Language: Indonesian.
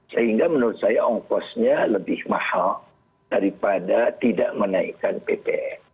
sehingga menurut saya ongkosnya lebih mahal daripada tidak menaikkan ppn